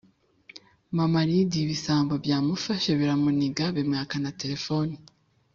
Mama lidiya ibisambo byamufashe biramuniga bimwaka na telefone